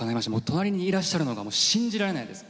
隣にいらっしゃるのが信じられないです。